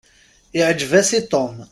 Iɛǧeb-as i Tom.